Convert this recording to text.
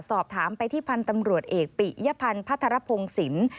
สอบถามไปที่พันธ์ตำรวจเอกปิยพันธ์พัทรพงศิลป์